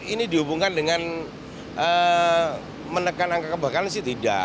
ini dihubungkan dengan menekan angka kebakaran sih tidak